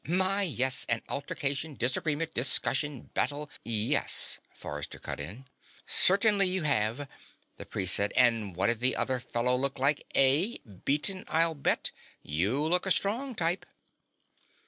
My, yes. An altercation, disagreement, discussion, battle " "Yes," Forrester cut in. "Certainly you have," the priest said. "And what'd the other fellow look like, eh? Beaten, I'll bet. You look a strong type."